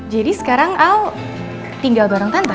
jadi sekarang al tinggal bareng tante